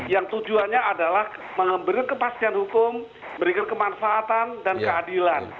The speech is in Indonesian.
yang tujuannya adalah memberikan kepastian hukum memberikan kemanfaatan dan keadilan